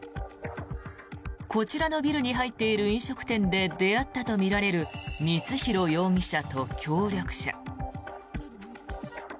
こちらのビルに入っている飲食店で出会ったとみられる光弘容疑者と協力者。